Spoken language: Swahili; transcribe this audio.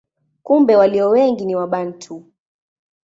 Kumbe walio wengi ni Wabantu.